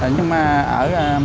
nhưng mà ở